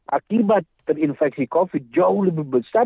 akibat terinfeksi covid jauh lebih besar